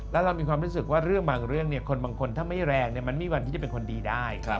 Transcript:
แล้วเรามีความรู้สึกว่าเรื่องบางเรื่องคนบางคนถ้าไม่แรงมันไม่วันที่จะเป็นคนดีได้